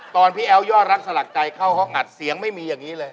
ตอนพี่แอ้วอย่อรรักษ์หลักใจเข้าห้องถัดเซียงไม่มีอย่างนี้เลย